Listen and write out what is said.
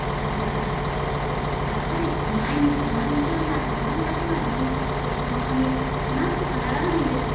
やっぱり毎日何十枚も何百枚も印刷するこの紙なんとかならないんですか？